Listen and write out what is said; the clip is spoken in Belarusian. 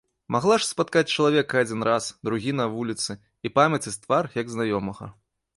Магла ж спаткаць чалавека адзін раз, другі на вуліцы і памятаць твар, як знаёмага.